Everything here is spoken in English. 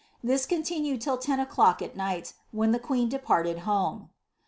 This con tinued till ten o'clock at night, when the queen departed home.'